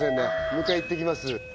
迎え行ってきます